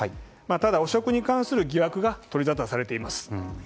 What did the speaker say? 汚職に関する疑惑が取りざたされています。